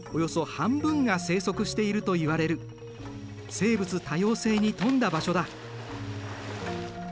生物多様性に富んだ場所だ。